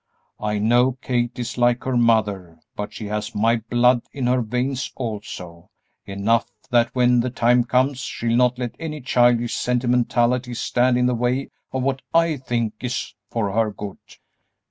I know Kate is like her mother, but she has my blood in her veins also, enough that when the time comes she'll not let any childish sentimentality stand in the way of what I think is for her good."